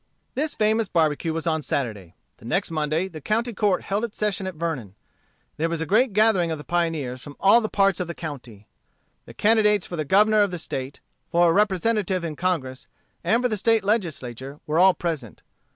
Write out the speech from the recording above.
This famous barbecue was on Saturday. The next Monday the county court held its session at Vernon. There was a great gathering of the pioneers from all parts of the county. The candidates for the Governor of the State, for a representative in Congress, and for the State Legislature, were all present.